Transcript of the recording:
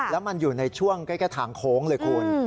แล้วมันอยู่ในช่วงใกล้ทางโค้งเลยคุณ